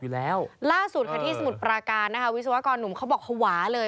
ล่าสุดที่สมุทรปราการวิศวกรหนุ่มเขาบอกหวาเลย